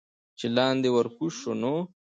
چې لاندې ورکوز شو نو